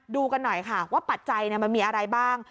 ดูกันหน่อยค่ะว่าปัจจัยมันมีอะไรบ้าง